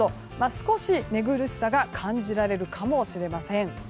少し寝苦しさが感じられるかもしれません。